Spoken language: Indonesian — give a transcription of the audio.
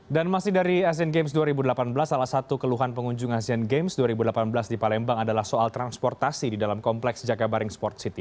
dan masih dari asian games dua ribu delapan belas salah satu keluhan pengunjung asian games dua ribu delapan belas di palembang adalah soal transportasi di dalam kompleks jakabaring sport city